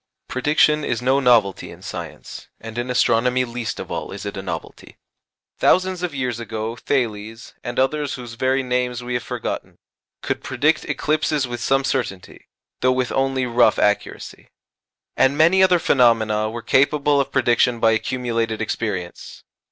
Prediction is no novelty in science; and in astronomy least of all is it a novelty. Thousands of years ago, Thales, and others whose very names we have forgotten, could predict eclipses with some certainty, though with only rough accuracy. And many other phenomena were capable of prediction by accumulated experience.